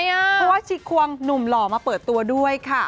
เพราะว่าชิควงหนุ่มหล่อมาเปิดตัวด้วยค่ะ